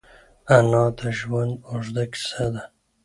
انا د ژوند اوږده کیسه ده